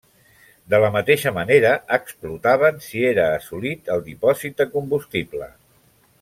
De la mateixa manera explotaven si era assolit el dipòsit de combustible.